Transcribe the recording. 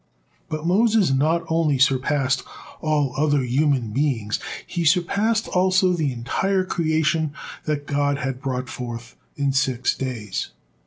But Moses not only surpassed all other human beings, he surpassed also the entire creation that God had brought forth in six days.